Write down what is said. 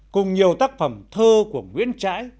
cùng nhiều tác phẩm thơ của nguyễn trãi